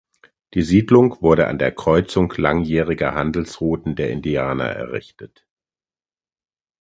Die Siedlung wurde an der Kreuzung langjähriger Handelsrouten der Indianer errichtet.